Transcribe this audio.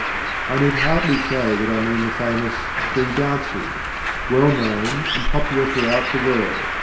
I need hardly say that I mean the famous "Three Dances," well known and popular throughout the world.